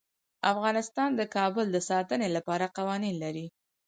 افغانستان د کابل د ساتنې لپاره قوانین لري.